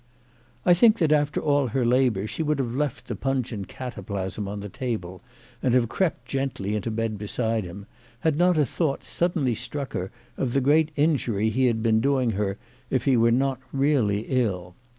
I think that, after all her labour, she would have left the pungent cataplasm 011 the table, and have crept gently into bed beside him, had not a thought suddenly struck her of the great injury he had been doing her if he were not really ill.